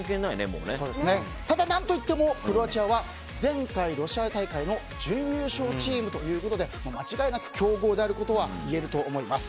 ただ、何といってもクロアチアは前回ロシア大会の準優勝チームということで間違いなく強豪であることはいえると思います。